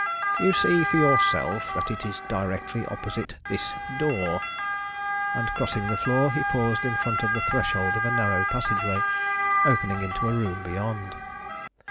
"You see for yourself that it is directly opposite this door," and, crossing the floor, he paused in front of the threshold of a narrow passageway, opening into a room beyond.